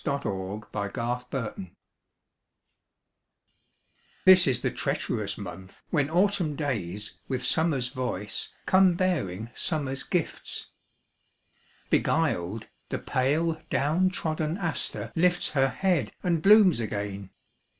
Helen Hunt Jackson November THIS is the treacherous month when autumn days With summer's voice come bearing summer's gifts. Beguiled, the pale down trodden aster lifts Her head and blooms again.